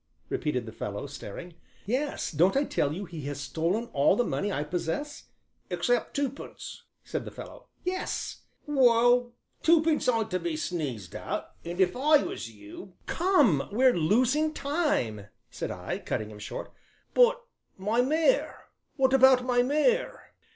repeated the fellow, staring. "Yes, don't I tell you he has stolen all the money I possess?" "Except twopence," said the fellow. "Yes " "Well, twopence ain't to be sneezed at, and if I was you " "Come, we're losing time," said I, cutting him short. "But my mare, what about my mare?"